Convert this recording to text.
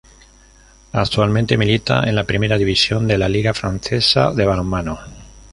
Actualmente milita en la Primera División de la liga francesa de balonmano.